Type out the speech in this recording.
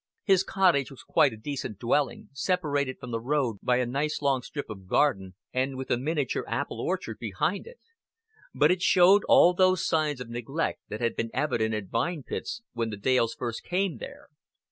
His cottage was quite a decent dwelling, separated from the road by a nice long strip of garden, and with a miniature apple orchard behind it; but it showed all those signs of neglect that had been evident at Vine Pits when the Dales first came there.